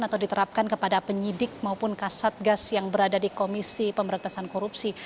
atau diterapkan kepada penyidik maupun kasatgas yang berada di komisi pemberantasan korupsi